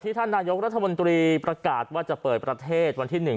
ท่านนายกรัฐมนตรีประกาศว่าจะเปิดประเทศวันที่หนึ่ง